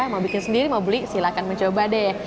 mau bikin sendiri mau beli silahkan mencoba deh